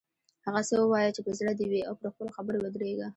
هغه څه ووایه چې په زړه دې وي او پر خپلو خبرو ودریږه.